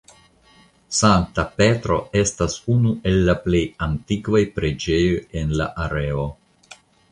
Sankta Petro estas unu el la plej antikvaj preĝejoj en la areo.